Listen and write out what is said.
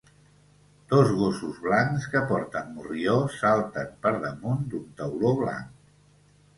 Dos gossos blancs que porten morrió salten per damunt d'una tauló blanc.